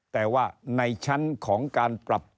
แต่ว่าในชั้นของการปรับ